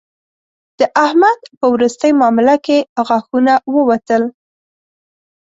د احمد په روستۍ مامله کې غاښونه ووتل